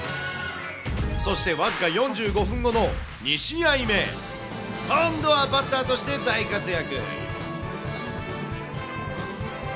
そして僅か４５分後の２試合目、今度はバッターとして大活躍。